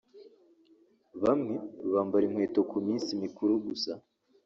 bamwe bambara inkweto ku minsi mikuru gusa